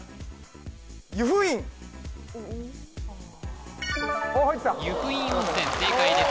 由布院温泉正解です